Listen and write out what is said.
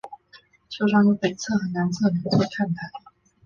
球场有北侧和南侧两座看台。